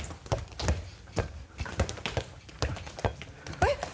えっ！